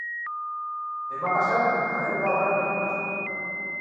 Demà passat en Manel vol anar a la platja.